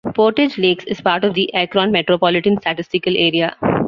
Portage Lakes is part of the Akron Metropolitan Statistical Area.